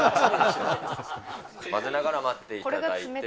混ぜながら待っていただいて。